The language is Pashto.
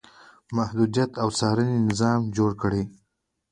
محدودیت او څارنې نظام جوړ کړي.